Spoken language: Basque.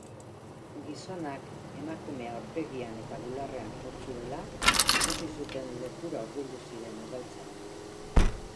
Gizonak emakumea aurpegian eta bularrean jo zuela ikusi zuten lekura hurbildu ziren udaltzainek.